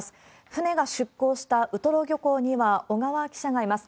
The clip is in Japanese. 船が出航したウトロ漁港には、小川記者がいます。